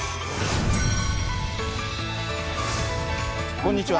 こんにちは。